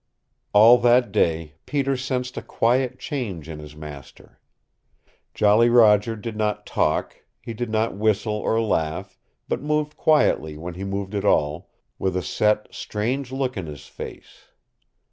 All that day Peter sensed a quiet change in his master. Jolly Roger did not talk. He did not whistle or laugh, but moved quietly when he moved at all, with a set, strange look in his face.